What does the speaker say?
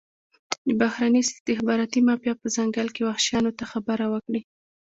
د بهرني استخباراتي مافیا په ځنګل کې وحشیانو ته خبره وکړي.